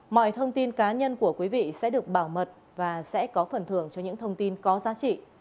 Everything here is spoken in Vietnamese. mọi thông tin cá nhân của quý vị sẽ được bảo mật và sẽ có phần thưởng cho những thông tin có giá trị